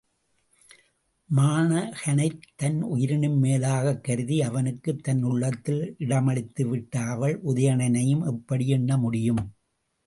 மாணகனைத் தன் உயிரினும் மேலாகக் கருதி அவனுக்குத் தன் உள்ளத்தில் இடமளித்துவிட்ட அவள் உதயணனையும் எப்படி எண்ண முடியும்?